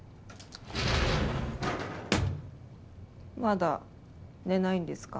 まだ寝ないんですか？